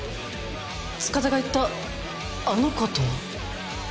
塚田が言った「あの子」とは？